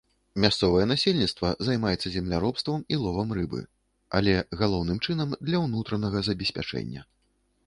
Мясцовае насельніцтва займаецца земляробствам і ловам рыбы, але, галоўным чынам, для ўнутранага забеспячэння.